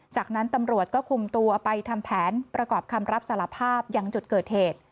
จากนั้นตำรวจก็คุมตัวไปทำแผนประกอบคำรับสารภาพยังจุดเกิดเหตุ